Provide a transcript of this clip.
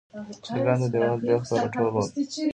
چرګان د دیواله بیخ ته راټول ول.